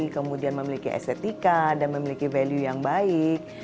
kemudian memiliki estetika dan memiliki value yang baik